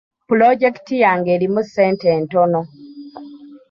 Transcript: Pulojekiti yange erimu sente ntono.